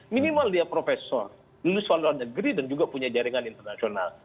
minimal dia profesor lulusan luar negeri dan juga punya jaringan internasional